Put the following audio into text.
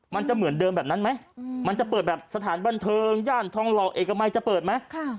มันจะเหมือนเดิมแบบนั้นไหมมันจะเปิดแบบสถานบันเทิงย่านทองหล่อเอกมัยจะเปิดไหม